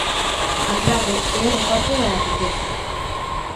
A clave é o reparto da riqueza.